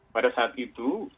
pada saat itu